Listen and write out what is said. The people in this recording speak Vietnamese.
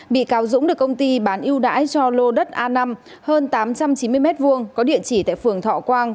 bị cáo dũng được công ty bán ưu đãi cho lô đất a năm hơn tám trăm chín mươi m hai có địa chỉ tại phường thọ quang